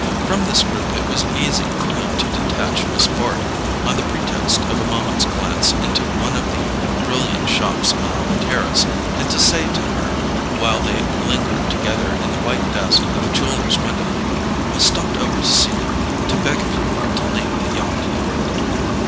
From this group it was easy for him to detach Miss Bart on the pretext of a moment's glance into one of the brilliant shops along the terrace, and to say to her, while they lingered together in the white dazzle of a jeweller's window: "I stopped over to see you—to beg of you to leave the yacht."